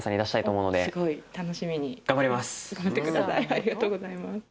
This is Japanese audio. ありがとうございます。